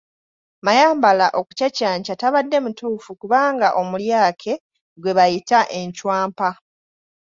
Mayambala okucacanca tabadde mutuufu kubanga omulyake gwe bayita Encwampa.